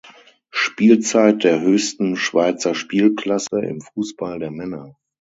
Spielzeit der höchsten Schweizer Spielklasse im Fussball der Männer.